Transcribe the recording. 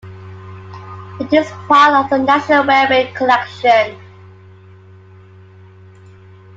It is part of the National Railway Collection.